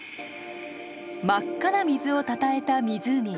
真っ赤な水をたたえた湖。